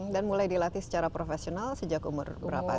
dan mulai dilatih secara profesional sejak umur berapa